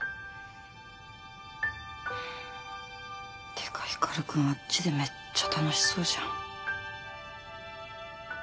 てか光くんあっちでめっちゃ楽しそうじゃん。